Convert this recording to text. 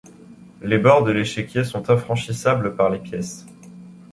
Les bords de l'échiquier sont infranchissables par les pièces.